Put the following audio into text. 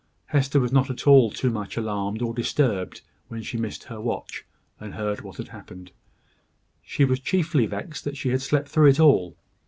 Hester was not at all too much alarmed or disturbed, when she missed her watch, and heard what had happened. She was chiefly vexed that she had slept through it all.